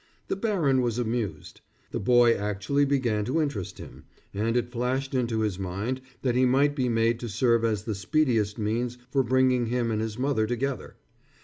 The baron was amused. The boy actually began to interest him, and it flashed into his mind that he might be made to serve as the speediest means for bringing him and his mother together.